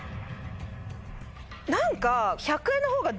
何か。